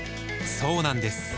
そうなんです